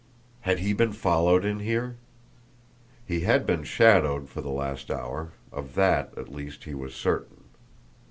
HAD HE BEEN FOLLOWED IN HERE? He had been shadowed for the last hour; of that, at least, he was certain.